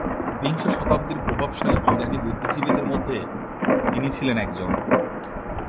বিংশ শতাব্দীর প্রভাবশালী ইরানি বুদ্ধিজীবীদের মধ্যে তিনি ছিলেন একজন।